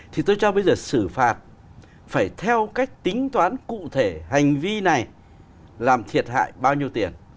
thì tôi cho bây giờ xử phạt phải theo cách tính toán cụ thể hành vi này làm thiệt hại bao nhiêu tiền